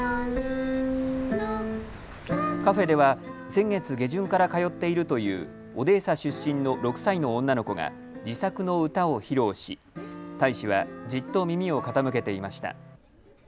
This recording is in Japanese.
カフェでは先月下旬から通っているというオデーサ出身の６歳の女の子が自作の歌を披露し大使はじっと耳を傾けていました。